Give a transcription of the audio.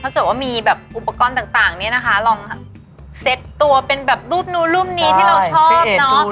ถ้าเกิดว่ามีแบบอุปกรณ์ต่างเนี่ยนะคะลองเซ็ตตัวเป็นแบบรูปนู้นรูปนี้ที่เราชอบเนอะ